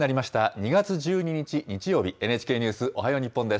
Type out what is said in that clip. ２月１２日日曜日、ＮＨＫニュースおはよう日本です。